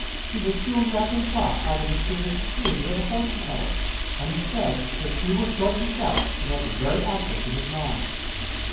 He was soon wrapped in thought by the mysterious behaviour of the fortune teller and he said, if she were short and stout, he had the very actress in his mind.